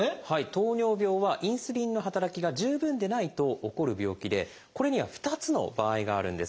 糖尿病はインスリンの働きが十分でないと起こる病気でこれには２つの場合があるんです。